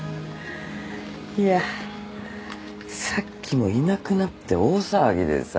いやさっきもいなくなって大騒ぎでさ。